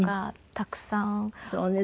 そうね。